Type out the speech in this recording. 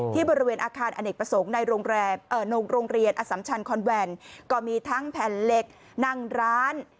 ที่บริเวณอาคารอเนกประสงค์ในโรงเรียนอสัมชันคอนแวนก็มีทั้งแผ่นเหล็กนั่งร้าน